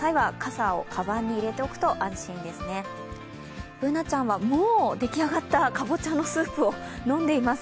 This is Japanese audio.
Ｂｏｏｎａちゃんはもう出来上がったかぼちゃのスープを飲んでいます。